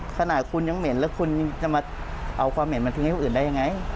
ขนาดคุณยังเหม็นแล้วคุณจะมาเอาความเหม็นมาทิ้งให้คนอื่นได้ยังไง